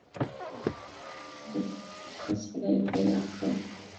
玛君龙亚科是阿贝力龙科下的一个亚科。